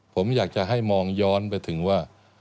ผมอยากจะให้มองย้อนไปถึงว่า